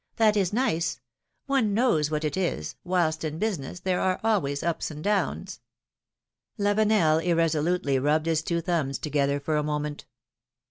; that is nice ; one knows what it is, whilst in business there are always ups and downs.^^ Lavenel irresolutely rubbed his two thumbs together for a moment.